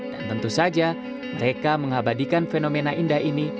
dan tentu saja mereka mengabadikan fenomena indah ini